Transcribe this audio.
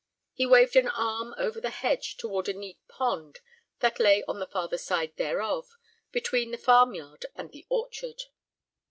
He waved an arm over the hedge toward a great pond that lay on the farther side thereof, between the farm yard and the orchard.